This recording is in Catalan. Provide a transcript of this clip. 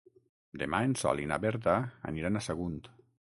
Demà en Sol i na Berta aniran a Sagunt.